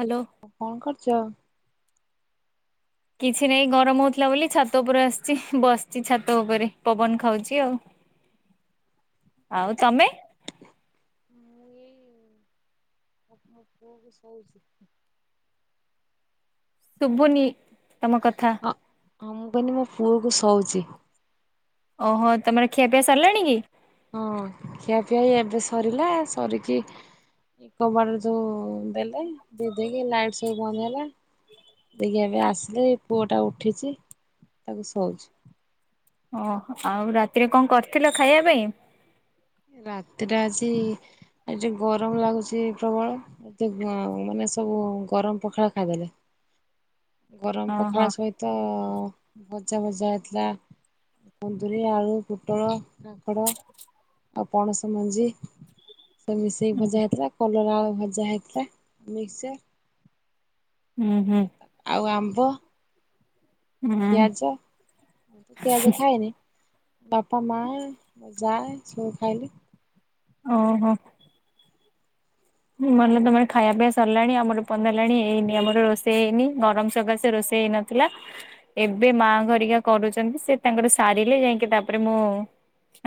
Hello. କଣ କରୁଚ? କିଛି ନାଇଁ ଗରମ ହଉଥିଲା ବୋଲି ଛାତ ଉପରେ ଆସଚି ବସଚି ଛାତ ଉପରେ ପବନ ଖାଉଚି ଆଉ। ଆଉ ତମେ? ମୁଁ ଏଇ [inaudible] ଶୁଭୁନି ତମ କଥା। ହ ହଁ ମୁଁ [unintelligible] ମୋ ପୁଅ କୁ ଶଉଚି। ଓହୋ ତମର ଖିଆ ପିଆ ସରଲାଣି କି? ହଁ ଖିଆ ପିଆ ଏବେ ସରିଲା ସରିକି ଇଏ କବାଟ ସବୁ ଦେଲେ ଦେ ଦେଇକି ଲାଇଟ ସବୁ ବନ୍ଦ ହେଲା। ଦେଇକି ଏବେ ଆସିଲେ ଏ ପୁଅ ଟା ଉଠିଚି ତାକୁ ଶଉଚି। ଓହ ଆଉ ରାତିରେ କଣ କରିଥିଲ ଖାଇବା ପାଇଁ? ରାତିରେ ଆଜି ଆଜି ଗରମ ଲାଗୁଚି ପ୍ରବଳ କିନ୍ତୁ ମାନେ ସବୁ ଗରମ ପଖାଳ ଖାଇଦେଲେ। ଗରମ ପଖାଳ ଓହୋ ସହିତ ଭଜା ଭଜା ହେଇଥିଲା। କୁନ୍ଦୁରୀ, ଆଳୁ, ପୋଟଳ, କାଙ୍କଡ। ଆଉ ପଣସ ମଞ୍ଜି ସେ ମିଶେଇକି ଭଜା ହେଇଥିଲା କଲରା, ଆଳୁ ଭଜା ହେଇଥିଲା, ମିକ୍ସର। ହୁଁ ହୁଁ। ଆଉ ଆମ୍ବ ହୁଁ ପିଆଜ ମୁଁ ତ ପିଆଜ ଖାଏନି। ବାପା ମା ଯାଆ ସବୁ ଖାଇଲେ। ଓ ହୋ। ଭଲ ତମେ ଖାଇବା ପିଇବା ସରିଲାଣି ଆମର ଏ ପନ୍ତ ହେଲାଣି ହେଇନି ଆମର ରୋଷେଇ ହେଇନି ଗରମ ସକାସେ ରୋଷେଇ ହେଇନଥ୍ ଥିଲା ଏବେ ମା ଘରିକା କରୁଚନ୍ତି ସେ ତାଙ୍କର ସାରିଲେ ଯାଇକି ତାପରେ ମୁଁ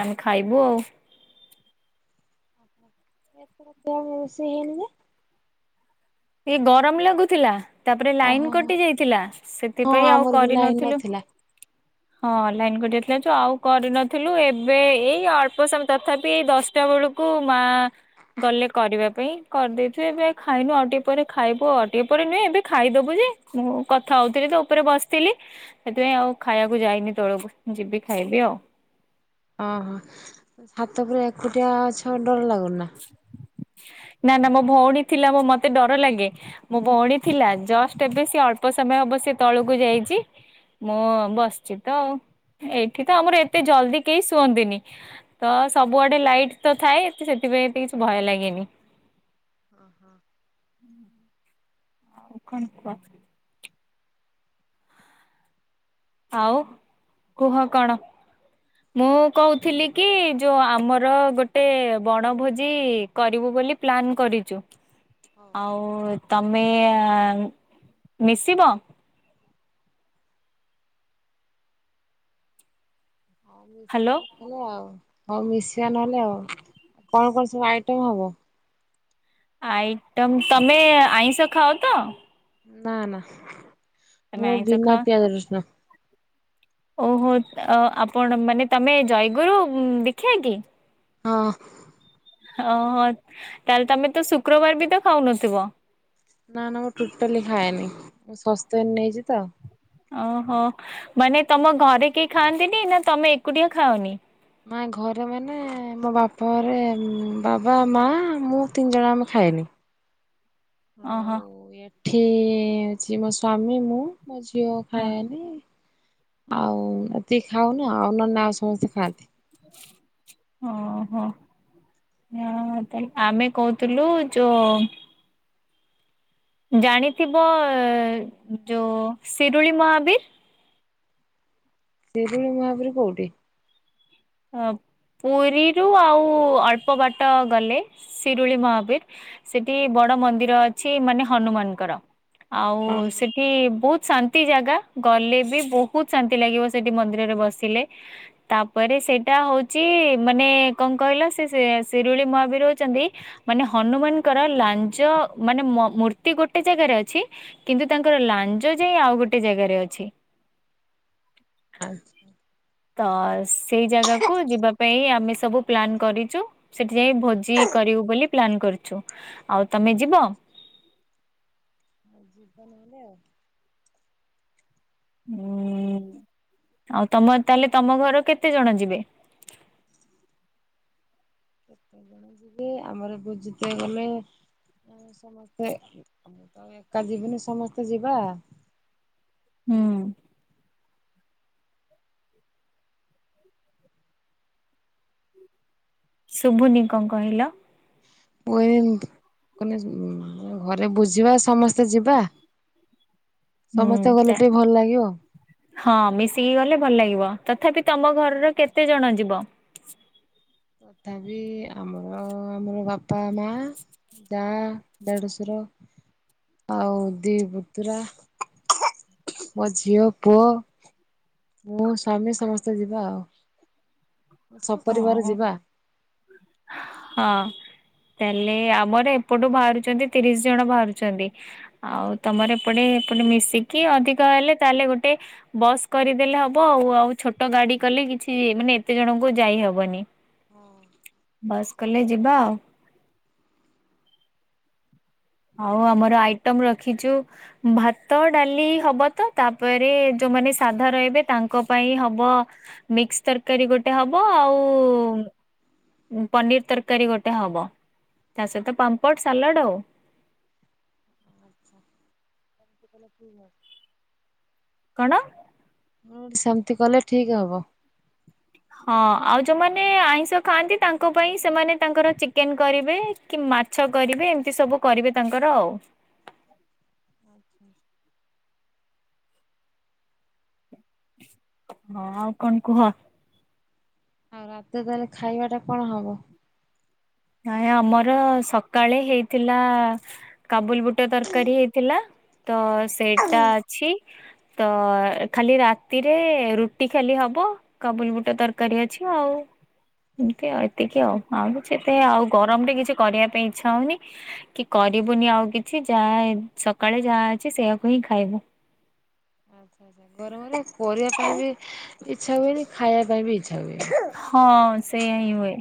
ଆମେ ଖାଇବୁ ଆଉ। ଏଥର କଣ ରୋଷେଇ ହେଇନି। ଏ ଗରମ ଲାଗୁଥିଲା। ତାପରେ ଓହୋ ଲାଇନ ହୋ କଟି ଯାଇଥିଲା ହଁ ସେଥିପାଇଁ ଆଉ ଆମର ବି ଲାଇନ କରିନଥିଲୁ। ନଥିଲା ହଁ ଲାଇନ କଟି ଯାଇଥିଲା ଯୋଉ ଆଉ କରିନଥିଲୁ ଏବେ ଏଇ ଅଳ୍ପ ସମୟ ତଥାବି ଦଶଟା ବେଳୁ କୁ ମା ଗଲେ କରିବା ପାଇଁ କରିଦେଇଥିବେ ଏବେ ଖାଇନୁ ଆଉଟିକିକେ ଉପରେ ଖାଇବୁ ଆଉ ଟିକଏ ପରେ ନୁହେଁ ଏବେ ଖାଇଦବୁ ଯେ ମୁଁ କଥା ହଉଥିଲି ତ ଉପରେ ବସିଥିଲି ସେଥିପାଇଁ ଆଉ ଖାଇବାକୁ ଯାଇନି ତଳକୁ ଯିବି ଖାଇବି ଆଉ। ଓହୋ, ଛାତ ଉପରେଏକୁଟିଆ ଅଛ ଡ଼ର ଲାଗୁନି ନା? ନାଁ ନାଁ ମୋ ଭଉଣୀ ଥିଲା ମୋ ମତେ ଡ଼ର ଲାଗେ। ମୋ ଭଉଣୀ ଥିଲା ଜଷ୍ଟ ଏବେ ସେ ଅଳ୍ପ ସମୟ ହବ ସେ ତଳକୁ ଯାଇଚି। ମୁଁ ବସିଛି ତ ଆଉ ଏଇଠି ତ ଆମର ଏତେ ଜଲଦି କେହି ଶୁଅନ୍ତିନି। ତ ସବଆଡ଼େ ଲାଇଟ ତ ଥାଏ ସେଥିପାଇଁ ଏତେ କିଛି ଭୟ ଲାଗେନି। ଓହୋ। ହଉ କଣ କୁହ? ଆଉ କୁହ କଣ? ମୁଁ କହୁଥିଲି କି ଯୋଉଁ ଆମର ଗୋଟେ ବଣଭୋଜି କରିବୁ ବୋଲି ପ୍ଲାନ୍ କରିଚୁ। ହଉ ଆଉ ତମେ ମିଶିବ? ହଉ ହ୍ୟାଲୋ। ମିଶିବା ନ ହେଲେ ଆଉ ହଉ ମିଶିବା ନହେଲେ ଆଉ କଣ କଣ ସବୁ ଆଇଟମ ହବ? ଆଇଟମ ତମେ ଆଇଁଷ ଖାଅ ତ? ନାଁ ନାଁ ତମେ ମୁଁ ଆଇଁଷ ବିନା ଖାଅ ପିଆଜ, ରସୁଣ। ଓହୋ, ଆପଣ ମାନେ ତମେ ଜୟଗୁରୁ ଦୀକ୍ଷା କି? ହଁ। ଓହୋ! ତାହେଲେ ତମେ ତ ଶୁକ୍ରବାର ବି ତ ଖାଉନଥିବ? ନା, ନା ମୁଁ ଟୋଟାଲି ଖାଏନି ମୁଁ ଶସ୍ତ୍ଵନି ନେଇଚି ତ। ଓହୋ, ମାନେ ତମ ଘରେ କେହି ଖାଆନ୍ତିନି ନା ତମେ ଏକୁଟିଆ ଖାଅନି? ମାଇଁ ଘରେ ମାନେ ମୋ ବାପଘରେ ବାବା, ମା, ମୁଁ ତିନି ଜଣ ଆମେ ଖାଏନି। ଆଉ ଓହୋ ଏଠି ଅଛି ମୋ ସ୍ଵାମୀ, ମୁଁ। ମୋ ଝିଅ ହଁ ଖାଏନି ଆଉ ଏତିକି ଖାଉନି ଆଉ ନନେ ଆଉ ସମସ୍ତେ ଖାଆନ୍ତି। ଓ ହୋ। ଆମେ କହୁଥୁଲୁ ଯୋ ଜାଣିଥିବ ଯୋଉ ଶିରୁଳି ମହାବୀର? ଶିରୁଳି ମହାବୀର କୋଉଠି? ଅ ପୁରୀରୁ ଆଉ ଅଳ୍ପ ବାଟ ଗଲେ ଶିରୁଳି ମହାବୀର୍। ସେଠି ବଡ଼ ମନ୍ଦିର ଅଛି ମାନେ ହନୁମାନଙ୍କର, ଆଉ ସେଠି ବହୁତ୍ ଶାନ୍ତି ଜାଗା ଗଲେ ବି ବହୁତ୍ ଶାନ୍ତି ଲାଗିବ ସେଠି ମନ୍ଦିରରେ ବସିଲେ। ତାପରେ ସେଇଟା ହଉଛି ମାନେ କଣ କହିଲା ସେ ଶିରୁଳି ମହାବୀର ହେଉଚନ୍ତି ମାନେ ହନୁମାନଙ୍କର ଲାଞ୍ଜ ମାନେ ମୂର୍ତ୍ତି ଗୋଟେ ଜାଗାରେ ଅଛି କିନ୍ତୁ ତାଙ୍କର ଲାଞ୍ଜ ଯାଇ ଆଉ ଗୋଟେ ଜାଗାରେ ଅଛି। ଆଚ୍ଛା। ତ ସେଇ ଜାଗାକୁ ଯିବା ପାଇଁ ଆମେ ସବୁ ପ୍ଲାନ୍ କରିଚୁ। ସେଠି ଯାଇ ଭୋଜି କରିବୁ ବୋଲି ପ୍ଲନ୍ କରୁଛୁ, ଆଉ ତମେ ଯିବ? ଆ ଯିବା ନହେଲେ ଆଉ। ହୁଁ ଆଉ ତମର ତାହେଲେ ତମ ଘର କେତେଜଣ ଯିବେ? କେତେ ଆମର ଭୋଜି [unintelligible] ଗଲେ ସମସ୍ତେ ମୁଁ ତ ଏକା ଯିବିନି ସମସ୍ତେ ଯିବା। ହୁଁ। ଶୁଭୁନି କଣ କହିଲ? [inaudible] ଘରେ ବୁଝିବା ସମସ୍ତେ ଯିବା, ସମସ୍ତେ ହୁଁ ଗଲେ ଟିକେ ଭଲ ଲାଗିବ। ହଁ ମିଶିକି ଗଲେ ଭଲ ଲାଗିବ, ତଥାପି ତମ ଘରର କେତେ ଜଣ ଯିବ? ତଥାପି ଆମର-ଆମର ବାପା ମା ଜା ଦଢସୁର ଆଉ ଦି ପତୁରା ମୋ ଝିଅ ପୁଅ ମୁଁ ସ୍ୱାମୀ ସମସ୍ତେ ଯିବା ଆଉ। ସପରିବାର ହଁ। ଯିବା। ହଁ। ତାହେଲେ ଆମର ଏପଟୁ ବାହାରୁଛନ୍ତି ତିରିଶି ଜଣ ବାହାରୁଛନ୍ତି। ଆଉ ତମର ଏପଟେ-ଏପଟେ ମିଶିକି ଅଧିକ ହେଲେ ତାହେଲେ ଗୋଟେ ବସ୍ କରିଦେଲେ ହବ ଆଉ-ଆଉ ଛୋଟ ଗାଡି କଲେ କିଛି ମାନେ ଏତେ ଜଣଙ୍କୁ କୁ ଯାଇ ହବନି ବସ୍ କଲେ ଯିବା ଆଉ। ଆଉ ଆମର ଆଇଟମ୍ ରଖିଛୁ ଭାତ, ଡାଲି ହବ ତ ତାପରେ ଯୋଉମାନେ ସାଧା ରହିବେ ତାଙ୍କ ପାଇଁ ହବ ମିକ୍ସ ତରକାରୀ ଗୋଟେ ହବ ଆଉ ପନିର୍ ତରକାରୀ ଗୋଟେ ହବ ତା ସହିତ ପାମ୍ପଡ୍ ସାଲଡ୍ ଆଉ। ପ କି [unintelligible] କଣ? [unintelligible] ସେମ୍ତି କଲେ ଠିକ୍ ହବ। ହଁ ଆଉ ଯୋଉମାନେ ଆଇଁଷ ଖାଆନ୍ତି ତାଙ୍କ ପାଇଁ ସେମାନେ ତାଙ୍କର ଚିକେନ୍ କରିବେ। କି ମାଛ କରିବେ ଏମ୍ତି ସବୁ କରିବେ ତାଙ୍କର ଆଉ। [inaudible] ହଁ ଆଉ କଣ କୁହ। ଆଉ ରାତିରେ ତାହଲେ ଖାଇବାଟା କଣ ହବ? ଆ ଆମର ସକାଳେ ହେଇଥିଲା କାବୁଲ୍ ବୁଟ ତରକାରୀ ହେଇଥିଲା ତ ସେଇଟା ଅଛି ତ ଖାଲି ରାତିରେ ରୁଟି ଖାଲି ହବ। କବୁଲ୍ ବୁଟ ତରକାରୀ ଅଛି ଆଉ ଏମିତି ଆଉ ଏତିକି ଆଉ-ଆଉ କିଛି [unintelligible] ଆଉ ଗରମରେ କିଛି କରିବା ପାଇଁ ଇଚ୍ଛା ହଉନି। କି କରିବୁନି ଆଉ କିଛି ଯାହା ସକାଳେ ଯାହା ଅଛି ସେଆକୁ ହିଁ ଖାଇବୁ। ଗରମରେ କରିବା ପାଇଁ ବି ଇଚ୍ଛା ହୁଏନି ଖାଇବା ପାଇଁ ବି ଇଚ୍ଛା ହୁଏନି। ହଁ ସେଇଆ ହଁ ହୁଏ।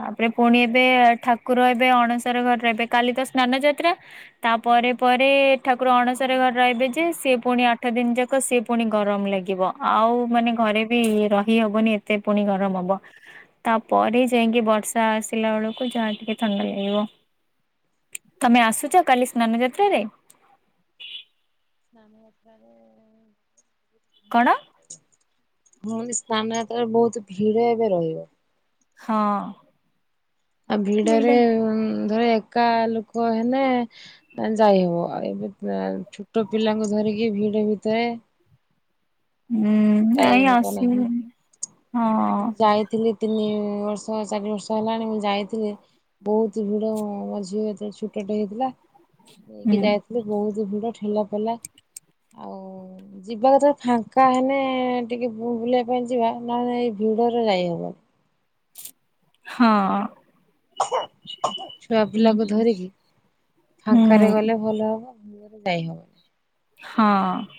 ତାପରେ ପୁଣି ଏବେ ଠାକୁର ଏବେ ଅଣସାର ଘର ଏବେ କାଲି ତ ସ୍ନାନ ଯାତ୍ରା। ତା ହଁ ପରେରେ ପରେ ଠାକୁର ଅଣ ସର ଘରେ ରହିବେ ଯେ ସିଏ ପୁଣି ଆଠ ଦିନ ଯାକ ସିଏ ପୁଣି ଗରମ ଲାଗିବ ଆଉ ମାନେ ହଁ ଘରେ ବି ର ହି ହବନି ଏତେ ପୁଣି ଗରମ ହବ ତାପରେ ଯାଇକି ବର୍ଷା ଆସିଲା ବେଳକୁ ଯାହା ଟିକେ ଥଣ୍ଡା ଲାଗିବ। ତମେ ଆସୁଛ କାଲି ସ୍ନାନ ଯାତ୍ରାରେ? କଣ [unintelligible] ହ ସ୍ଥାନ ଯାତ୍ରାରେ ବହୁତ ଭିଡ ଏବେ ରହିବ। ହଁ। ଆଉ ଭିଡ଼ରେ ଏଇଟା ଧର ଏକା ଲୋକ ହେଲେ ଯାଇହବ ଆଉ ଏବେ ଛୋଟ ପିଲାଙ୍କୁ ଧରିକି ଭିଡ଼ ଭିତରେ। ହୁଁ ଯାଇ ନାଇଁ ହବ ନାହିଁ ଆସିନି ହଁ। ମୁଁ ଯାଇଥିଲି ତିନି ବର୍ଷ ଚାରି ବର୍ଷ ହେଲାଣି ମୁଁ ଯାଇଥିଲି। ବହୁତ ଭିଡ଼ ମୋ ଝିଅ ଯେତେବେଳେ ଛୋଟିଆ ଟେ ହେଇଥିଲା ହୁଁ ନେଇକି ଯାଇ ବହୁତ ଭିଡ଼ ଠେଲା ପେଲା। ଆଉ ଯିବା କଥା ଫାଙ୍କା ହେନେ ଟିକେ ବୁଲିବା ପାଇଁ ଯିବା ନହେଲେ ଏ ଭିଡ଼ରେ ଯାଇ ହବ। ହଁ। ଛୁଆ ପିଲାକୁ ଧରିକି ହୁଁ ଫାଙ୍କାରେ ଗଲେ ଭଲ ହବ। [unintelligible] ହଁ।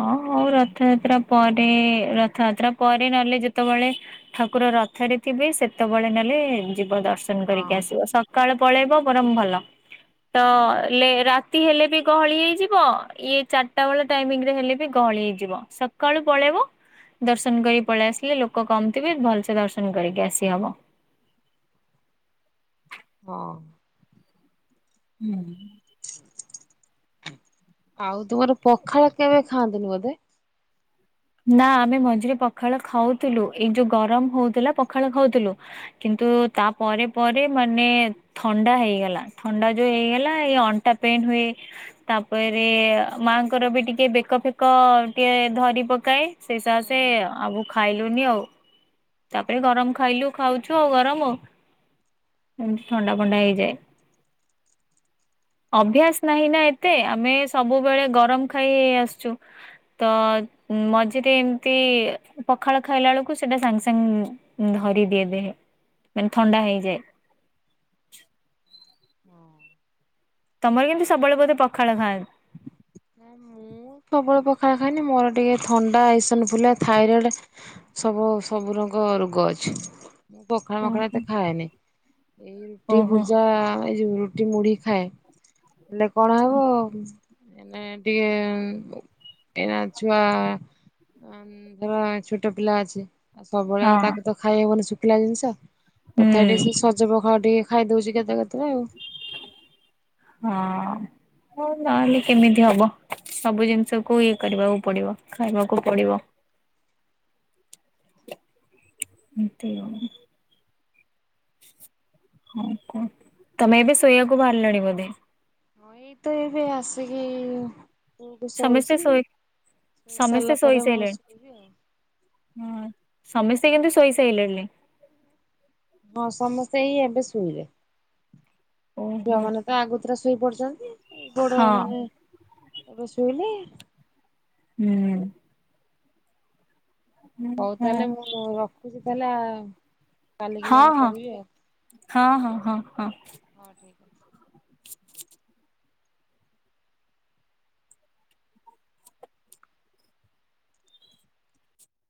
ହଁ ଆଉ ରଥଯାତ୍ରା ପରେ ରଥଯାତ୍ରା ପରେ ନହେଲେ ଯେତେବେଳେ ଠାକୁର ରଥରେ ଥିବେ ସେତେବେଳେ ନେଲେ ଯିବ ଦର୍ଶନ ହଁ। କରିକି ଆସିବ ସକାଳ ପଳେଇବ ବରଂ ଭଲ। ତ ଲେ ରାତି ହେଲେ ବି ଗହଳି ହେଇଯିବ ଇଏ ଚାରିଟା ବେଳେ ଟାଇମିଂ ହେଲେ ବି ଗହଳି ହେଇଯିବ ସକାଳୁ ପଳେଇବ। ଦର୍ଶନ କରିକି ପଳେଇ ଆସିଲେ ଲୋକ କମଥିବେ ଭଲସେ ଦର୍ଶନ କରିକି ଆସିହବ। ହଁ। ହୁଁ। ଆଉ ତୁମର ପଖାଳ କେବେ ଖାଆନ୍ତିନି ବୋଧେ। ନା ଆମେ ମଝିରେ ପଖାଳ ଖାଉଥିଲୁ ଏଇ ଯୋଉ ଗରମ ହଉଥିଲା ପଖାଳ ଖାଉଥିଲୁ। କିନ୍ତୁ ତା ପରେ ପରେ ମାନେ ଥଣ୍ଡା ହେଇଗଲା ଥଣ୍ଡା ଯୋଉ ହେଇଗଲା ଏଇ ଅଣ୍ଟା ପେନ୍ ହୁଏ। ତାପରେ ମାଙ୍କର ବି ଟିକେ ବେକ ଫେକ ଟିକେ ଧରି ପ କାଏ ହଁ ସେଇସସେ ହଁ ଆବୁ ଖାଇଲୁନି ଆଉ। ତାପରେ ଗରମ ଖାଇଲୁ ଖାଉଛୁ ଆଉ ଗରମ ଆଉ ଏମତି ଥଣ୍ଡା ଫଣ୍ଡା ହେଇଯାଏ। ଅଭ୍ୟାସ ନାହିଁ ନା ଏତେ ଆମେ ସବୁବେଳେ ଗରମ ଖାଇ ଆସୁଛୁ। ତ ମଝିରେ ଏମିତି ପଖାଳ ଖାଇଲା ବେଳକୁ ସେଇଟା ସାଙ୍ଗ ସାଙ୍ଗ ଧରି ଦିହେବେ ମାନେ ଥଣ୍ଡା ହେଇଯାଏ। ହଁ। ତମର କିନ୍ତୁ ସବୁବେଳେ ବୋଧେ ପଖାଳ ଖାଆ। ନା ମୁଁ ପ୍ରବଳ ପଖାଳ ଖାଇନି ମୋର ଟିକେ ଥଣ୍ଡା ଏସନ ଫୁଲିଆ ଥାଇରଡ଼ ସବୁ ସବୁ ରଙ୍ଗ ରୋଗ ଅଛି। ମୁଁ ପଖାଳ ମଖଡ ଓହୋ ଏତେ ଖାଏନି ଏଇ ରୁଟି ହଁ ହୁଁ ପୂଜା ଏଇ ଯୋଉ। ଜଉ ମୁଢ଼ି ଖାଏ ହେଲେ କଣ ହବ? ଏଇନେ ଟିକେ ଏଇନା ଛୁଆ ଧର ଛୋଟ ପିଲା ଅଛି। ଆଉ ସବୁବେଳେ ଆଉ ତାକୁ ତ ଖାଇହବନି ଶୁଖିଲା ଜିନିଷ ତଥାପି ଟିକେ ହଁ। ସେ ସ ପଖାଳ ଟିକେ ଖାଇଦଉଛି କେତେ କେତେବେଳେ ଆଉ। ହଁ। ହଉ ନହେଲେ କେମିତି ହବ ସବୁ ଜିନିଷକୁୁ ଇଏ କରିବାକୁ ପଡିବ ଖାଇବାକୁ ପଡିବ। ଏମିତି ଆଉ। ହଉ କ ତମେ ଏବେ ଶୋଇବାକୁ ବାହାରିଲାଣି ବୋଧେ? ହଁ ଏଇ ତ ଏବେ ଆସିକି ପୁଅକୁ ସମସ୍ତେ ଶଉଛି ଶୋଇ ଶୋଇ ସମସ୍ତେ ସାରିଲା ପରେ ମୁଁ ଶୋଇସାଇଲେଣି ଶୋଇବି ଆଉ। ହଁ ସମସ୍ତେ କିନ୍ତୁ ଶୋଇସାଲିସେଣି। ହଁ ସମସ୍ତେ ଏଇ ଏବେ ଶୁଇଲେ ଓହୋ ଛୁଆମାନ ଆଗୁତୁରା ଶୋଇ ପଡିଛନ୍ତି ଏଇ ବଡ ହଁ ମାନେ ଏବେ ଶୋଇଲେ। ହୁଁ। ହଁ ହଉ ହଁ ତାହେଲେ ମୁଁ ରଖୁଛି ତାହେଲେ କାଲିକିଲା ହଁ କରିବି ଆଉ। ହଁ ହଁ ହଁ ହଁ। ହଉ ଠିକ ଅଛି।